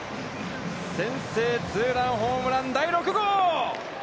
先制ツーランホームラン、第６号。